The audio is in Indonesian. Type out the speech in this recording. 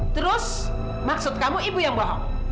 terus maksud kamu ibu yang bohong